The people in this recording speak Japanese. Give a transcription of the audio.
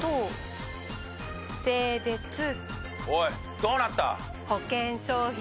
おいどうなった？